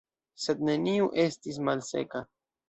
Sed neniu estis malseka.